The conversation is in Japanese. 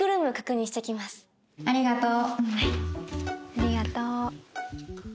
「ありがとう」。